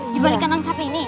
di balik kandang siapa ini